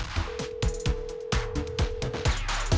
kesiones dalam total